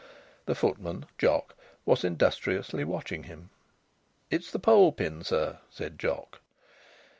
The footman, Jock, was industriously watching him. "It's the pole pin, sir," said Jock.